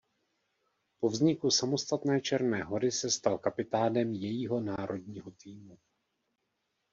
Po vzniku samostatné Černé Hory se stal kapitánem jejího národního týmu.